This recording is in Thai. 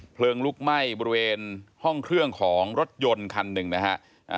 ลุกไหม้บริเวณห้องเครื่องของรถยนต์คันหนึ่งนะฮะ